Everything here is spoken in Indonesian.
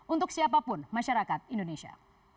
untuk siapapun masyarakat indonesia